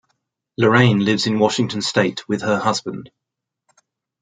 Lorraine lives in Washington state with her husband.